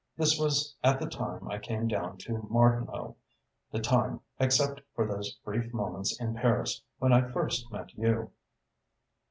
This was at the time I came down to Martinhoe, the time, except for those brief moments in Paris, when I first met you."